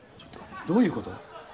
どういうこと？